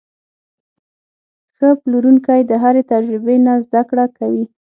ښه پلورونکی د هرې تجربې نه زده کړه کوي.